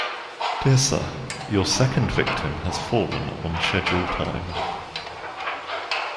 Dear Sir, Your second victim has fallen on schedule time.